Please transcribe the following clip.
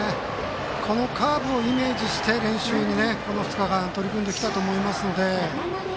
このカーブをイメージして練習にこの２日間取り組んできたと思いますので。